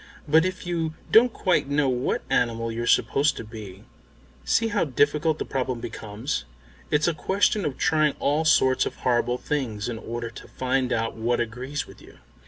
But if you don't quite know what animal you're supposed to be, see how difficult the problem becomes. It's a question of trying all sorts of horrible things in order to find out what agrees with you."